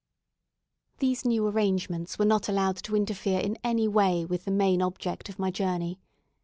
These new arrangements were not allowed to interfere in any way with the main object of my journey.